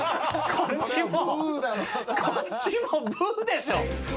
こっちもブーでしょ！